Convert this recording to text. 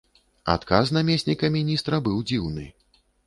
Адказ намесніка міністра быў дзіўны.